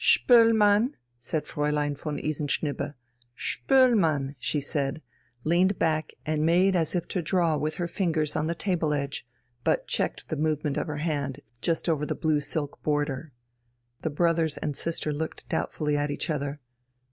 "Spoelmann," said Fräulein von Isenschnibbe. "Spoelmann," she said, leaned back and made as if to draw with her fingers on the table edge, but checked the movement of her hand just over the blue silk border. The brothers and sister looked doubtfully at each other.